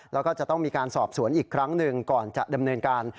แล้วก็จะต้องมีการสอบสวนอีกครั้งหนึ่งก่อนจะดำเนินการ